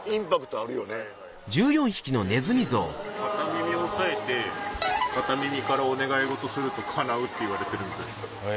取りあえず耳片耳押さえて片耳からお願い事するとかなうっていわれてるみたいです。